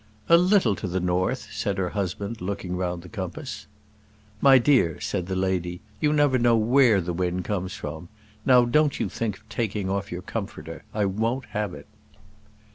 "A little to the north," said her husband, looking round the compass. "My dear," said the lady, "you never know where the wind comes from. Now don't you think of taking off your comforter. I won't have it."